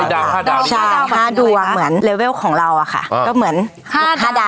ดาว๕ดาวใช่ดาว๕ดวงเหมือนเลเวลของเราอะค่ะก็เหมือนห้าดาว